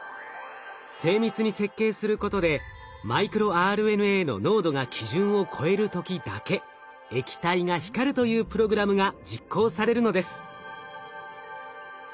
精密に設計することでマイクロＲＮＡの濃度が基準を超える時だけ液体が光るというプログラムが実行されるのです。